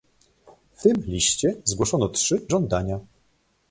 W tym liście zgłoszono trzy żądania